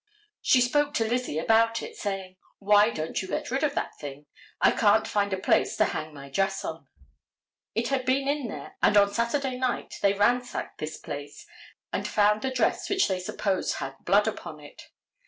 She spoke to Lizzie about it, saying, "Why don't you get rid of that thing. I can't find a place to hang my dress on?" It had been in there, and on Saturday night they ransacked this place and found the dress which they supposed had blood upon it.